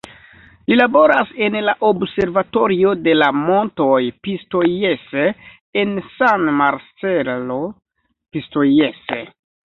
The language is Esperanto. Li laboras en la Observatorio de la Montoj Pistoiese, en San Marcello Pistoiese.